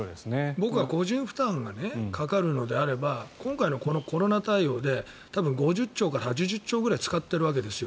僕は個人負担がかかるのであれば今回のコロナ対応で５０兆円から８０兆円くらい使っているわけですよ。